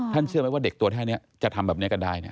อ๋อท่านเชื่อไหมว่าเด็กตัวแท้นี้จะทำแบบนี้ก็ได้